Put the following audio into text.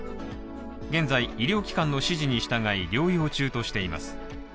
現在、医療機関の指示に従い療養中としています。